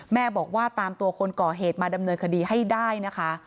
แม่บอกว่าตามตัวคนก่อเหตุมาดำเนินคดีให้ได้นะคะ